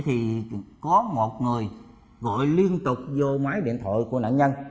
thì có một người gọi liên tục vô máy điện thoại của nạn nhân